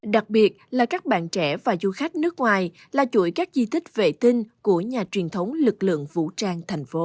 đặc biệt là các bạn trẻ và du khách nước ngoài là chuỗi các di tích vệ tinh của nhà truyền thống lực lượng vũ trang thành phố